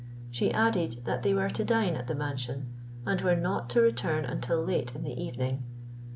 She added that they were to dine at the mansion, and were not to return until late in the evening.